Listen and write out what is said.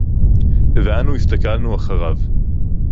וְאָנוּ הִסְתַּכַּלְנוּ אַחֲרָיו.